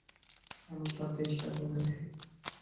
আমি সব চেষ্টা করেছি।